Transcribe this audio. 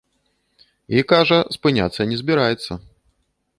І, кажа, спыняцца не збіраецца.